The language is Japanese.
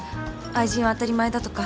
愛人は当たり前だとか